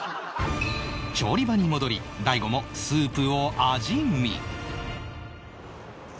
調理場に戻り大悟もスープを味見